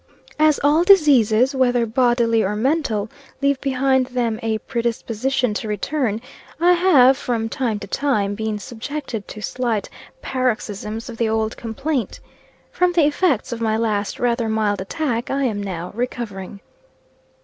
As all diseases, whether bodily or mental, leave behind them a predisposition to return, I have, from time to time, been subjected to slight paroxisms of the old complaint. From the effects of my last rather mild attack, I am now recovering.